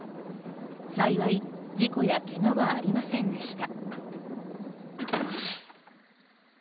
幸い、事故やけがはありませんでした。